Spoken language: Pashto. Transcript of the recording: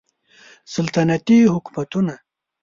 سلطنتي حکومتونه